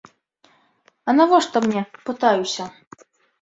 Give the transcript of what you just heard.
А навошта мне, пытаюся.